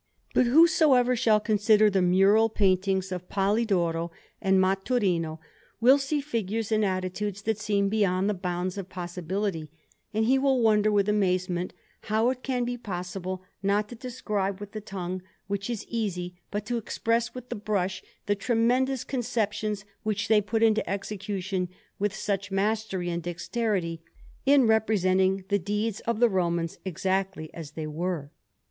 But whosoever shall consider the mural paintings of Polidoro and Maturino, will see figures in attitudes that seem beyond the bounds of possibility, and he will wonder with amazement how it can be possible, not to describe with the tongue, which is easy, but to express with the brush the tremendous conceptions which they put into execution with such mastery and dexterity, in representing the deeds of the Romans exactly as they were.